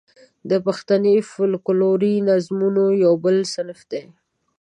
د پښتني فوکلوري نظمونو یو بل صنف دی.